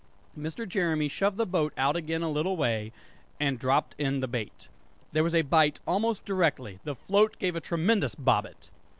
Mr. Jeremy shoved the boat out again a little way, and dropped in the bait. There was a bite almost directly; the float gave a tremendous bobbit!